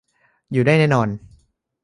อยู่ด้วยแน่นอน